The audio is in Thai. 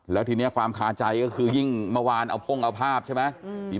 แล้วทีนี้ความคาใจก็คือยิ่งเมื่อวานเอาพ่งเอาภาพใช่ไหม